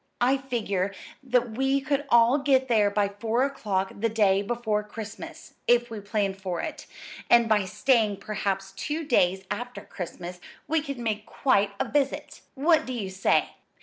I figure that we could all get there by four o'clock the day before Christmas, if we planned for it; and by staying perhaps two days after Christmas we could make quite a visit. What do you say?